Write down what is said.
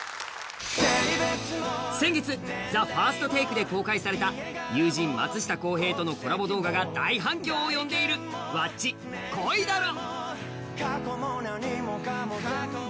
先月、「ＴＨＥＦＩＲＳＴＴＡＫＥ」で公開された友人、松下洸平とのコラボ動画が大反響を呼んでいるｗａｃｃｉ、「恋だろ」。